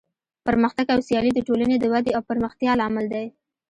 پرمختګ او سیالي د ټولنې د ودې او پرمختیا لامل دی.